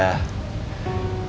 lagi sakit ya